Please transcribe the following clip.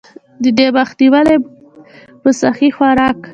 د دې مخ نيوے مونږ پۀ سهي خوراک ،